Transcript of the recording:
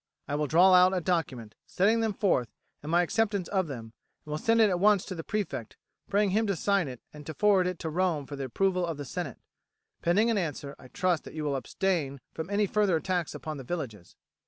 I will draw out a document, setting them forth and my acceptance of them, and will send it at once to the prefect, praying him to sign it, and to forward it to Rome for the approval of the senate. Pending an answer I trust that you will abstain from any further attacks upon the villages."